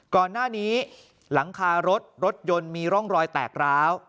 ก่อนหน้านี้หลังคารถรถยนต์มีร่องรอยแตกร้าว